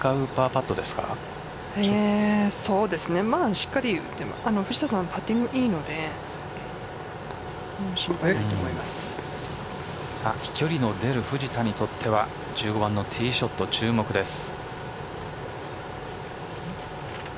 パッティングがいいので飛距離の出る藤田にとっては１５番のティーショット注目です。